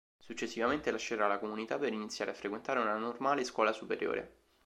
Successivamente lascerà la comunità per iniziare a frequentare una normale scuola superiore.